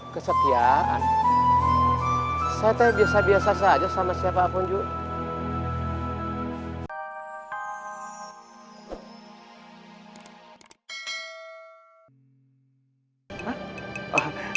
kesetiaan saya tahu biasa biasa saja sama siapa pun